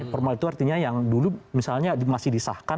formal itu artinya yang dulu misalnya masih disahkan